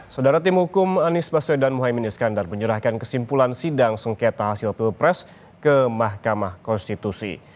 saudara tim hukum anies baswedan mohaimin iskandar menyerahkan kesimpulan sidang sengketa hasil pilpres ke mahkamah konstitusi